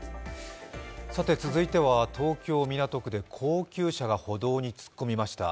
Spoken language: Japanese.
続いては東京・港区で高級車が歩道に突っ込みました。